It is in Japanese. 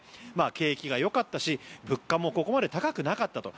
景気がよかったし物価もここまで高くなかったと。